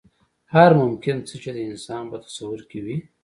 هر ممکن څه چې د انسان په تصور کې وي.